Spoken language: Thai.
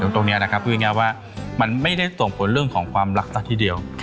ถึงตรงเนี้ยนะครับคืออย่างเงี้ยว่ามันไม่ได้ส่งผลเรื่องของความรักต่อที่เดียว